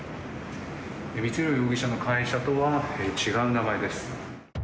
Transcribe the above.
光弘容疑者の会社とは違う名前です。